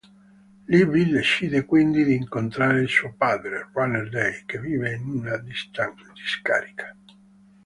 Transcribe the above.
Libby decide quindi di incontrare suo padre, Runner Day, che vive in una discarica.